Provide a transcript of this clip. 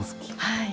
はい。